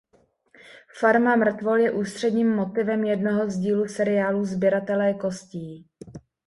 Farma mrtvol je ústředním motivem jednoho z dílů seriálu Sběratelé kostí.